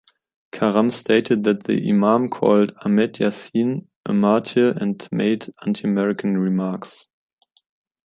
Karam stated that the Imam called Ahmed Yassin a martyr and made anti-American remarks.